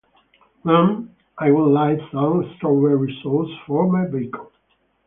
Ma'am, I would like some strawberry sauce for my bacon.